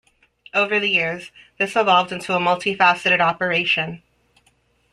Over the years, this evolved into a multi-faceted operation.